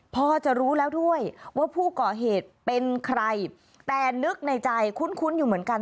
พอจะรู้แล้วด้วยว่าผู้ก่อเหตุเป็นใครแต่นึกในใจคุ้นอยู่เหมือนกัน